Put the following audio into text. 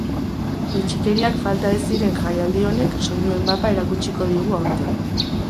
Bitxikeriak falta ez diren jaialdi honek soinuen mapa erakutsiko digu aurten.